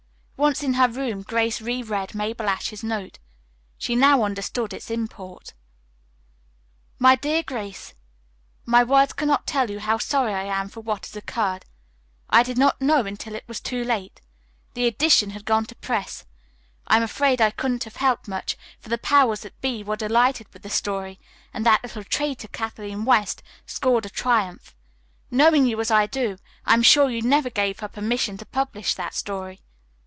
Once in her room, Grace reread Mabel Ashe's note. She now understood its import. "MY DEAR GRACE: "Words cannot tell you how sorry I am for what has occurred. I did not know until it was too late. The edition had gone to press. I am afraid I couldn't have helped much, for the powers that be were delighted with the story, and that little traitor, Kathleen West, scored a triumph. Knowing you as I do, I am sure you never gave her permission to publish that story.